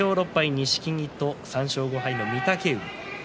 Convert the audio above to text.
錦木と３勝５敗御嶽海。